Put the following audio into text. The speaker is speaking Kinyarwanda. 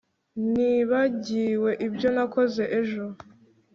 nibagiwe ibyo nakoze ejo